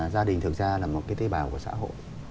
gia đình thực ra là một cái tế bào của xã hội